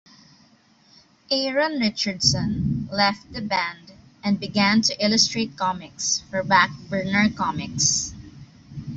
Aaron Richardson left the band, and began to illustrate comics for Backburner Comics.